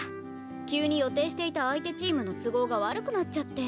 急に予定していた相手チームの都合が悪くなっちゃって。